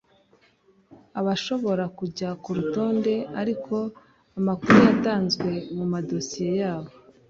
Abashobora kujya ku rutonde ariko amakuru yatanzwe mu madosiye yabo